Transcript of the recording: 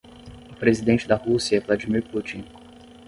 O presidente da Rússia é Vladimir Putin.